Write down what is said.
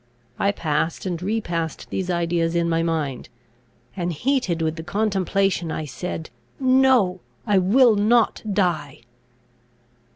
I passed and repassed these ideas in my mind; and, heated with the contemplation, I said, "No, I will not die!"